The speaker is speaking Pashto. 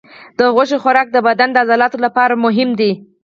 د غوښې خوراک د بدن د عضلاتو لپاره مهم دی.